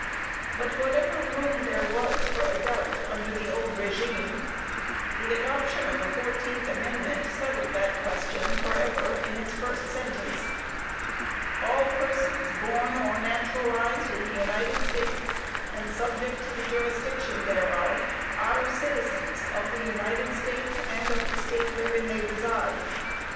But, whatever room there was for a doubt, under the old regime, the adoption of the fourteenth amendment settled that question forever, in its first sentence: "All persons born or naturalized in the United States and subject to the jurisdiction thereof, are citizens of the United States and of the state wherein they reside."